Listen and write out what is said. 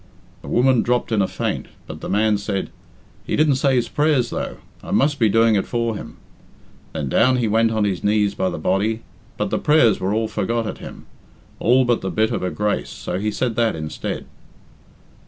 The woman dropped in a faint, but the man said, 'He didn't say his prayers, though I must be doing it for him.' Then down he went on his knees by the body, but the prayers were all forgot at him all but the bit of a grace, so he said that instead."